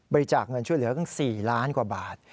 บริจาคเงินช่วยเหลือตั้ง๔ล้านกว่าบาท